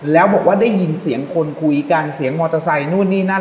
แล้วบอกว่าได้ยินเสียงคนคุยกันเสียงมอเตอร์ไซค์นู่นนี่นั่น